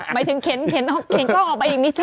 หมายถึงเคล้งกล้องเอาออกไปนิดเดี๋ยวนะฮะ